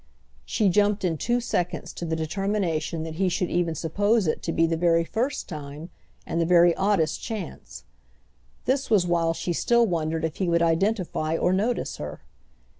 She jumped in two seconds to the determination that he should even suppose it to be the very first time and the very oddest chance: this was while she still wondered if he would identify or notice her.